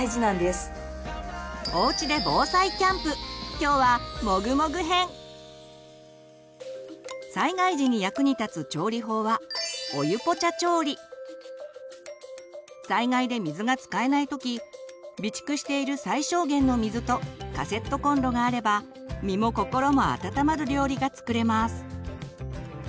教えてくれるのは災害時に役に立つ調理法は災害で水が使えない時備蓄している最小限の水とカセットコンロがあれば身も心も温まる料理が作れます。